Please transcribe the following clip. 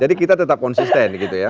jadi kita tetap konsisten gitu ya